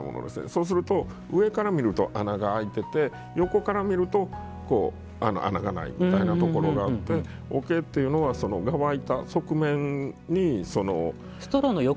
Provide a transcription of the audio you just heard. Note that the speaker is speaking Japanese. そうすると、上から見ると穴が開いていて横から見ると穴がないみたいなところがあって桶っていうのは、側板、側面に。